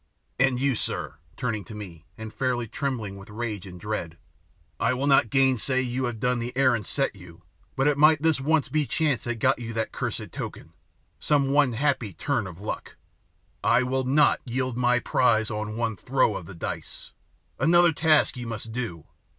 And you, sir," turning to me, and fairly trembling with rage and dread, "I will not gainsay that you have done the errand set you, but it might this once be chance that got you that cursed token, some one happy turn of luck. I will not yield my prize on one throw of the dice. Another task you must do.